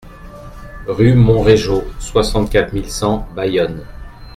Rue Monréjau, soixante-quatre mille cent Bayonne